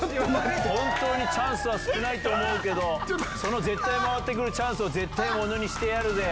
本当にチャンスは少ないと思うけど、その絶対回ってくるチャンスを絶対ものにしてやるぜ。